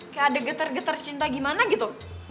kayak ada getar getar cinta gimana gitu